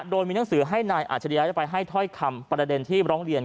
โดยมีหนังสือให้นายอัชฎริยายได้ให้เทาะคำประเด็นที่มร้องเรียน